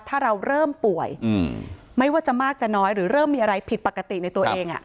ถ้าเราเริ่มป่วยไม่ว่าจะมากจะน้อยหรือเริ่มมีอะไรผิดปกติในตัวเอง